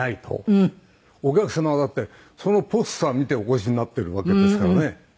お客様はだってそのポスター見てお越しになってるわけですからね。